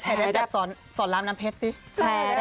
แทร๊ดสอนรามน้ำเพ็ดสิ